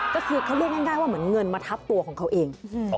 ก็คือเขาเรียกง่ายว่าเหมือนเงินมาทับตัวของเขาเอง